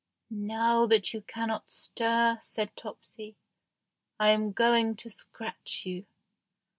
"Now that you cannot stir," said Topsy, "I am going to scratch you."